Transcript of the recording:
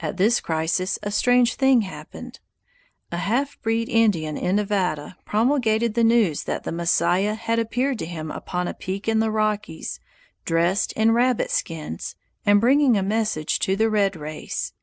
At this crisis a strange thing happened. A half breed Indian in Nevada promulgated the news that the Messiah had appeared to him upon a peak in the Rockies, dressed in rabbit skins, and bringing a message to the red race.